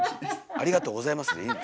「ありがとうございます」でいいの。